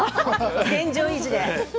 現状維持ですね。